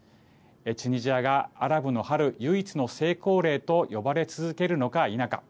チュニジアがアラブの春唯一の成功例と呼ばれ続けるのか否か。